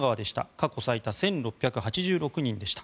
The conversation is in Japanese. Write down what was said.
過去最多１６８６人でした。